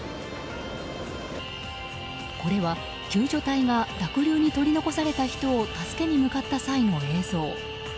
これは救助隊が濁流に取り残された人を助けに向かった際の映像。